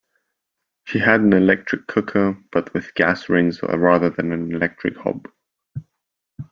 She had an electric cooker, but with gas rings rather than an electric hob